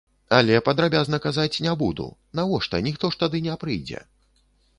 Але падрабязна казаць не буду, навошта, ніхто ж тады не прыйдзе.